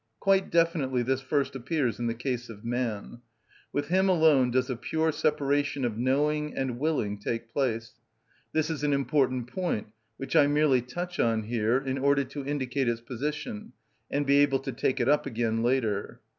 Quite definitely this first appears in the case of man. With him alone does a pure separation of knowing and willing take place. This is an important point, which I merely touch on here in order to indicate its position, and be able to take it up again later.